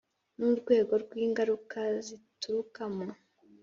N urwego rw ingaruka zaturuka mu